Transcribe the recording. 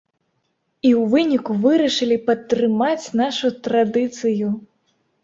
І ў выніку вырашылі падтрымаць нашу традыцыю.